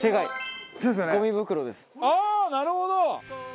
ああなるほど！